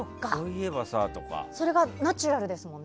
それがナチュラルですもんね。